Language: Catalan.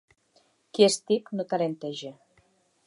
Qui és tip no talenteja.